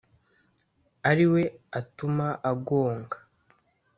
ariwe atuma agonga,